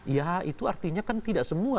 ya itu artinya kan tidak semua